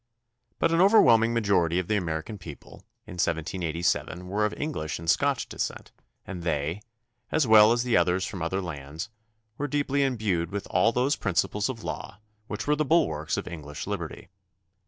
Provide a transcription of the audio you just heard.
But an overwhelming ma jority of the American people in 1787 were of English and Scotch descent and they, as well as the others from other lands, were deeply imbued with all those principles of law which were the bulwarks of English liberty.